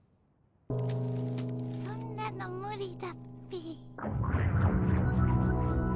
そんなのむりだっピ。